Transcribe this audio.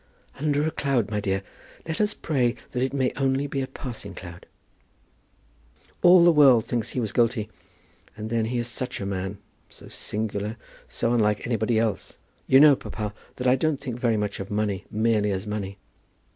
"Under a cloud, my dear. Let us pray that it may be only a passing cloud." "All the world thinks that he was guilty. And then he is such a man: so singular, so unlike anybody else! You know, papa, that I don't think very much of money, merely as money."